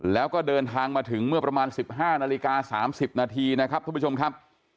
แล้วก็เดินทางมาถึงเมื่อประมาณ๑๕นาฬิกา๓๐นาทีนะครับท่านผู้ชมครับ